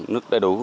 nước đầy đủ